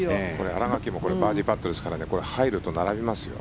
新垣もバーディーパットですからこれ、入ると並びますよ。